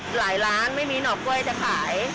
หลายร้านไม่มีหนอกล้วยจะขาย